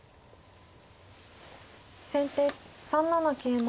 先手３七桂馬。